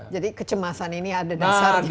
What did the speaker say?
jadi kecemasan ini ada dasarnya